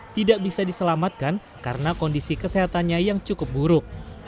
tidak bisa diselamatkan karena kondisi kesehatannya yang cukup buruk